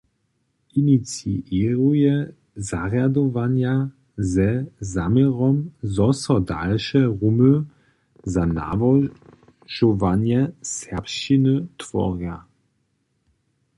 Iniciěruje zarjadowanja ze zaměrom, zo so dalše rumy za nałožowanje serbšćiny tworja.